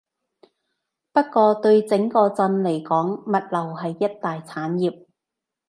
不過對整個鎮嚟講，物流係一大產業